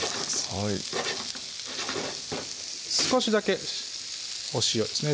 はい少しだけお塩ですね